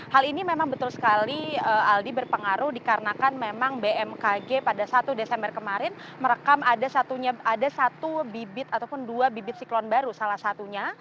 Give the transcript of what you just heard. hal ini memang betul sekali aldi berpengaruh dikarenakan memang bmkg pada satu desember kemarin merekam ada satu bibit ataupun dua bibit siklon baru salah satunya